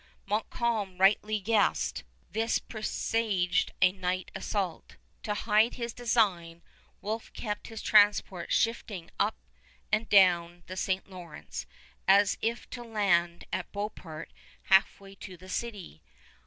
Montcalm rightly guessed, this presaged a night assault. To hide his design, Wolfe kept his transports shifting up and down the St. Lawrence, as if to land at Beauport halfway to the city.